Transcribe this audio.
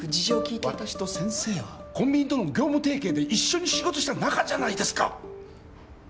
わたしと先生はコンビニとの業務提携で一緒に仕事した仲じゃないですか。